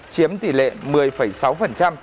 chiếm tỷ lệ một mươi sáu